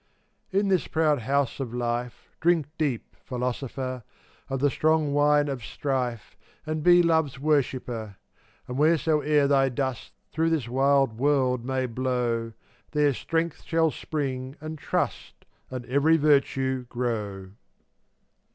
466 In this proud house of life Drink deep, philosopher, Of the strong wine of strife And be Love's worshipper; And wheresoe'er thy dust Through this wild world may blow, There strength shall spring and trust And every virtue grow.